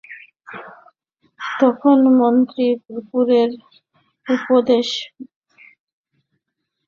তখন মন্ত্রিপুত্রের উপদেশানুরূপ সমস্ত সম্পাদন করিয়া বৃদ্ধার আবাসে উপস্থিত হইলেন।